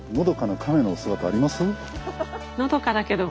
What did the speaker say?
のどかだけど。